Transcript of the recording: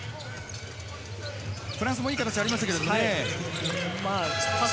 フランスもいい形がありましたけどもね。